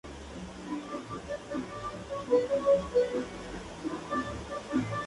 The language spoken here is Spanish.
Sin embargo, en los animales que están bien cuidados, los riesgos son bajos.